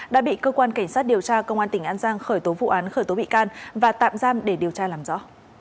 đã bị cơ quan cảnh sát điều tra công an tỉnh an giang khởi tố vụ án khởi tố bị can và tạm giam để điều tra làm rõ